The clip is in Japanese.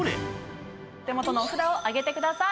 手元のお札を上げてください。